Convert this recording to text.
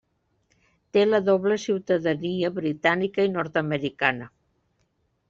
Té la doble ciutadania britànica i nord-americana.